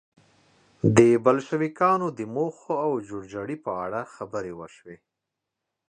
د بلشویکانو د موخو او جوړجاړي په اړه خبرې وشوې